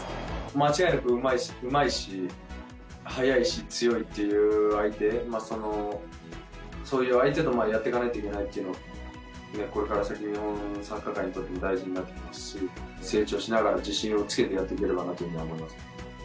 間違いなくうまいし、速いし強いという相手、そういう相手とやっていかないといけないっていうのは、これから先、日本サッカー界にとっても、大事になってきますし、成長しながら、自信をつけてやっていければなというふうに思います。